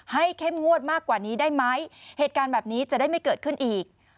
เข้มงวดมากกว่านี้ได้ไหมเหตุการณ์แบบนี้จะได้ไม่เกิดขึ้นอีก